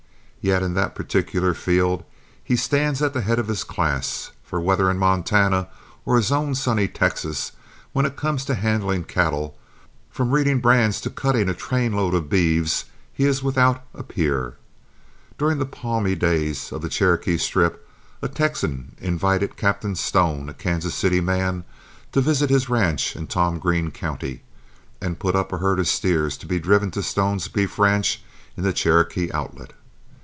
Yet in that particular field he stands at the head of his class; for whether in Montana or his own sunny Texas, when it comes to handling cattle, from reading brands to cutting a trainload of beeves, he is without a peer. During the palmy days of the Cherokee Strip, a Texan invited Captain Stone, a Kansas City man, to visit his ranch in Tom Green County and put up a herd of steers to be driven to Stone's beef ranch in the Cherokee Outlet.